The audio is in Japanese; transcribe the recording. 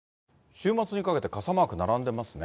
週末にかけて傘マーク並んでますね。